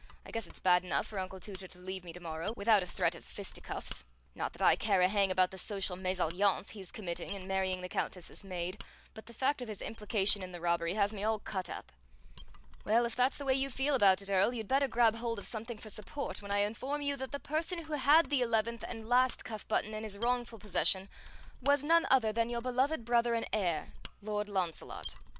I guess it's bad enough for Uncle Tooter to leave me to morrow, without a threat of fisticuffs. Not that I care a hang about the social mésalliance he's committing in marrying the Countess's maid, but the fact of his implication in the robbery has me all cut up." "Well, if that's the way you feel about it, Earl, you'd better grab hold of something for support when I inform you that the person who had the eleventh and last cuff button in his wrongful possession was none other than your beloved brother and heir, Lord Launcelot.